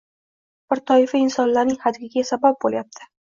bir toifa insonlarning hadikiga sabab bo‘lyapti?!